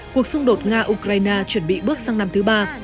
cuộc xung đột nga ukraine chuẩn bị bước sang năm thứ ba